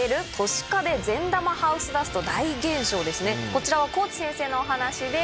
こちらは河内先生のお話です。